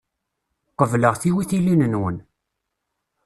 Qebleɣ tiwitilin-nwen.